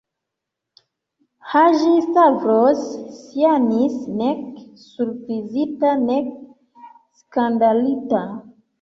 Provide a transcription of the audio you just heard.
Haĝi-Stavros ŝajnis nek surprizita, nek skandalita.